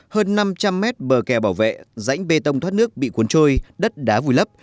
hơn năm trăm linh mét bờ kè bảo vệ rãnh bê tông thoát nước bị cuốn trôi đất đá vùi lấp